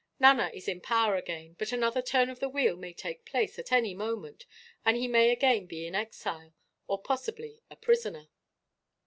Nana is in power again; but another turn of the wheel may take place, at any moment, and he may again be an exile, or possibly a prisoner.